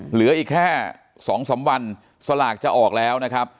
เหลืออีกแค่๒๓วันสลากจะออกแล้วนะครับ